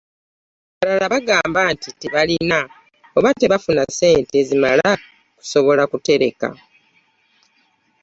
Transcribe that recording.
Abalala bagamba nti tebalina oba tebafuna ssente zimala kusobola kutereka